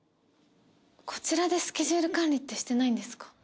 こちらでスケジュール管理ってしてないんですか？